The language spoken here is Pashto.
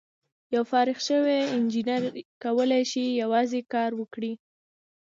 یو فارغ شوی انجینر کولای شي یوازې کار وکړي.